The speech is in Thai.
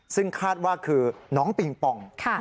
ซึ่งคาดว่าคือน้องปิงปอง